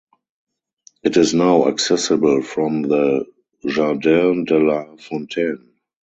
It is now accessible from the "jardins de la Fontaine".